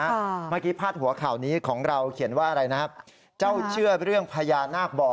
เมื่อกี้พาดหัวข่าวนี้ของเราเขียนว่าอะไรนะครับเจ้าเชื่อเรื่องพญานาคบ่อ